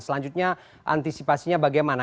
selanjutnya antisipasinya bagaimana